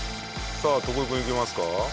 さあ徳井君いきますか。